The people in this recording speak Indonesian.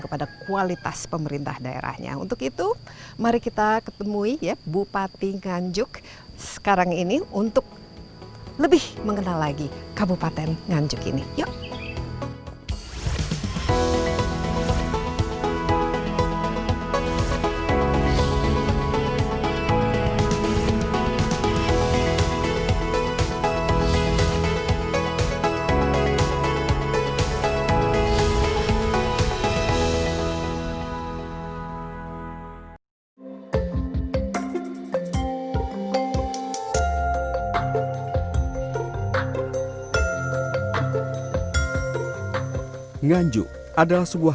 kepada kualitas pemerintah daerahnya untuk itu mari kita ketemui ya bupati nganjuk sekarang ini untuk lebih mengenal lagi kabupaten nganjuk ini yuk